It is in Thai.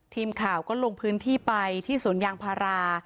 ทีมข่าวก็ลงพื้นที่ไปที่สวนยางพารา